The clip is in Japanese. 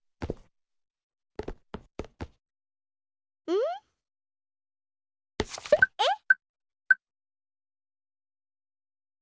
うん？えっ？